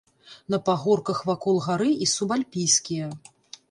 На пагорках вакол горы і субальпійскія.